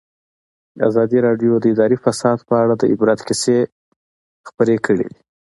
ازادي راډیو د اداري فساد په اړه د عبرت کیسې خبر کړي.